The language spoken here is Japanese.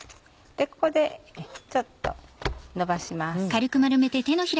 ここでちょっとのばします。